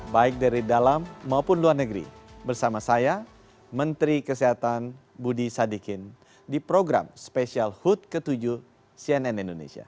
baik dari dalam maupun luar negeri bersama saya menteri kesehatan budi sadikin di program spesial hut ke tujuh cnn indonesia